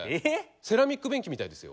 セラミックス便器みたいですよ。